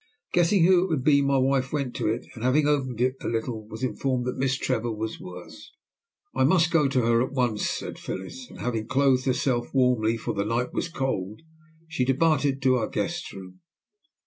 Guessing who it would be, my wife went to it, and, having opened it a little, was informed that Miss Trevor was worse. "I must go to her at once," said Phyllis, and, having clothed herself warmly, for the night was cold, she departed to our guest's room.